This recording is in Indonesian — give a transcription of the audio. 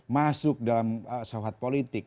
masuk dalam sahabat politik